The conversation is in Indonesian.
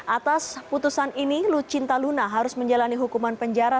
atas putusan ini lucinta luna harus menjalani hukuman penjara